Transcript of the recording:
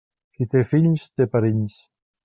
Qui té fills, té perills.